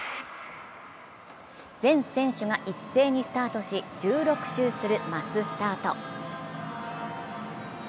全選手が一斉にスタートし１６周するマススタート。